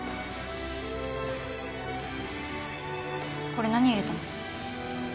これ何入れたの？